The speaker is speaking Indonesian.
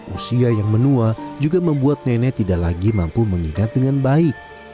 usia yang menua juga membuat nenek tidak lagi mampu mengingat dengan baik